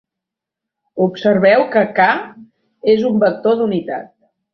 Observeu que k és un vector d'unitat.